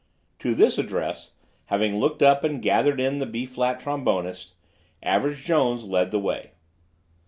To this address, having looked up and gathered in the B flat trombonist, Average Jones led the way.